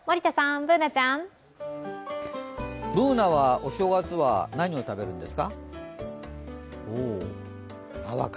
Ｂｏｏｎａはお正月は何を食べるんですか？